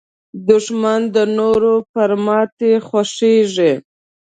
دښمن د نورو پر ماتې خوښېږي